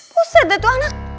buset deh tuh anak